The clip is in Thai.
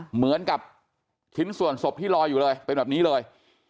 เหมือนกับชิ้นส่วนศพที่ลอยอยู่เลยเป็นแบบนี้เลย